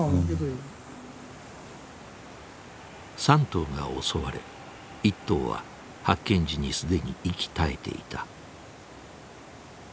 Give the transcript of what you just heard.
３頭が襲われ１頭は発見時に既に息絶えていた。